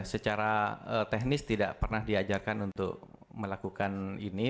secara teknis tidak pernah diajarkan untuk melakukan ini